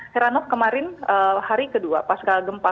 herano kemarin hari kedua pas kala gempa